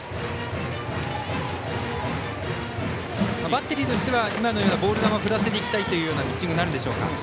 バッテリーとしてはボール球を振らせていきたいというピッチングになるんでしょうか。